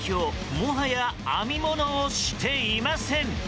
もはや、編み物をしていません。